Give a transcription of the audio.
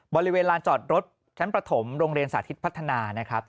บริเวณลานจอดรถชั้นประถมโรงเรียนสาธิตพัฒนานะครับ